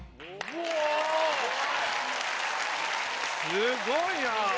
すごいな。